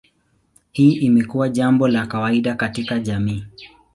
Hii imekuwa jambo la kawaida katika jamii.